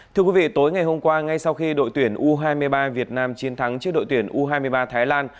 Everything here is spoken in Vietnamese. thưa quý vị tối ngày hôm qua ngay sau khi đội tuyển u hai mươi ba việt nam chiến thắng trước đội tuyển u hai mươi ba thái lan